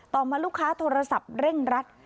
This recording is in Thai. ต่อมาลูกค้าโทรศัพท์เร่งรัด